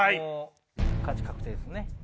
勝ち確定ですね。